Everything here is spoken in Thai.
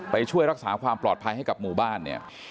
ไปช่วยรักษาความปลอดภัยให้กับหมู่บ้านเนี่ย